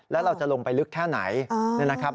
แล้วเราจะลงไปลึกแค่ไหนนะครับ